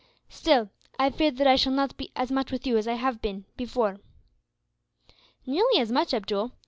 Still, I fear that I shall not be as much with you as I have been, before." "Nearly as much, Abdool.